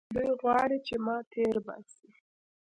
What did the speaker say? دوى غواړي چې ما تېر باسي.